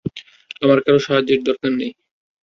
আমার কারও সাহায্যের দরকার নেই।